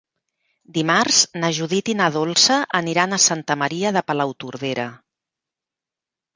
Dimarts na Judit i na Dolça aniran a Santa Maria de Palautordera.